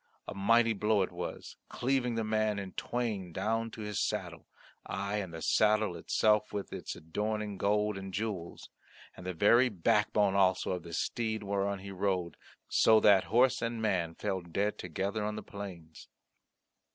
A mighty blow it was, cleaving the man in twain down to his saddle aye, and the saddle itself with its adorning of gold and jewels, and the very backbone also of the steed whereon he rode, so that horse and man fell dead together on the plains.